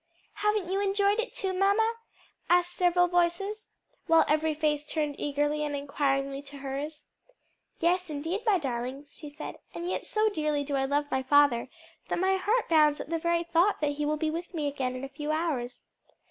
"Haven't you enjoyed it too, mamma?" asked several voices, while every face turned eagerly and inquiringly to hers. "Yes, indeed, my darlings," she said; "and yet so dearly do I love my father that my heart bounds at the very thought that he will be with me again in a few hours."